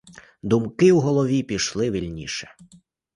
Думки в голові пішли вільніше.